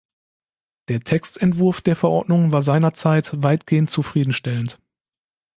Der Textentwurf der Verordnung war seinerzeit weitgehend zufriedenstellend.